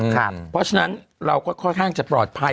เพราะฉะนั้นเราก็ค่อนข้างจะปลอดภัย